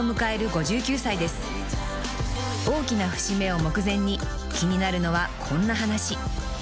［大きな節目を目前に気になるのはこんな話］